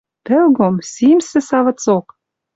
Пӹлгом — симсӹ савыцок.